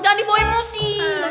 jangan dibawa emosi